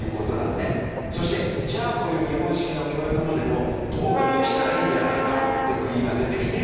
そしてじゃあこういう日本式の教育モデルを導入したらいいんじゃないかっていう国が出てきている。